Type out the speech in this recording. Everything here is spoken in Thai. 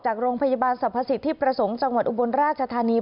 จากโรงพยาบาลสรรพสิทธิประสงค์จังหวัดอุบลราชธานี